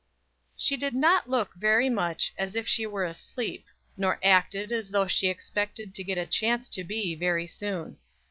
She did not look very much as if she were asleep, nor acted as though she expected to get a chance to be very soon.